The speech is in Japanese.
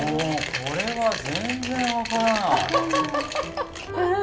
これは全然分からない。